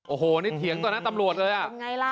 โอ้โฮนี่เถียงตอนนั้นตำรวจเลยอ่ะ